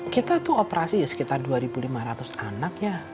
kita itu operasi sekitar dua ribu lima ratus anak